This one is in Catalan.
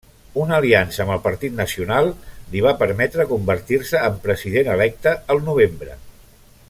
Una aliança amb el Partit Nacional li va permetre convertir-se en president electe el novembre.